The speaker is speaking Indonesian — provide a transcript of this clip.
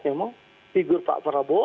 memang figur pak prabowo